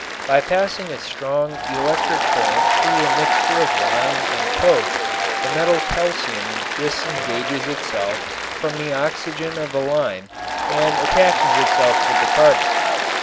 By passing a strong electric current through a mixture of lime and coke the metal calcium disengages itself from the oxygen of the lime and attaches itself to the carbon.